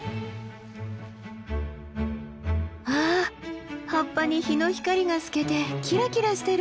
わあ葉っぱに日の光が透けてキラキラしてる！